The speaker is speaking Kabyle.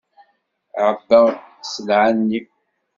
Ɛebbaɣ sselɛa-nni.